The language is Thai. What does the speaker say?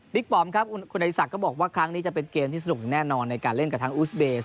พลิกปอมครับคุณอาทิสักก็บอกว่าครั้งนี้จะเป็นเกมที่สนุกแน่นอนในการเล่นกับอูสเบกิสถาน